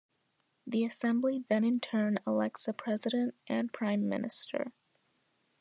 The Assembly then in turn elects a president and prime minister.